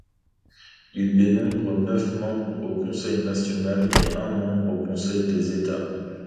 Il dénombre neuf membres au Conseil national et un membre au Conseil des États.